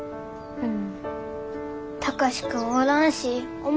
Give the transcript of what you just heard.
うん。